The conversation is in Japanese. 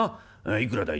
『いくらだい？』。